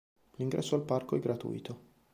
L'ingresso al Parco è gratuito.